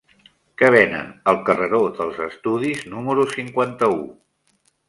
Què venen al carreró dels Estudis número cinquanta-u?